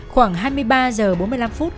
khoảng hai mươi ba h bốn mươi năm phút